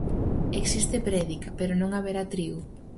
Existe prédica, pero non haberá trigo.